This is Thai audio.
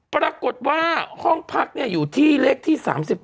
ปรากฏว่าห้องพักอยู่ที่เลขที่๓๗